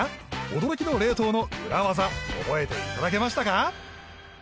驚きの冷凍の裏技覚えていただけましたか？